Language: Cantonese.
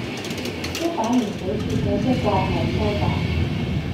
一把年紀說這些怪害羞吧！